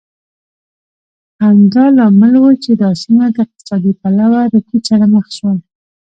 همدا لامل و چې دا سیمه له اقتصادي پلوه رکود سره مخ شوه.